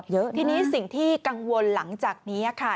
เยอะทีนี้สิ่งที่กังวลหลังจากนี้ค่ะ